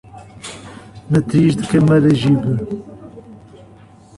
Matriz de Camaragibe